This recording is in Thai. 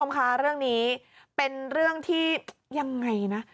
คุณผู้ชมคะเรื่องนี้เป็นเรื่องที่ยังไงนะ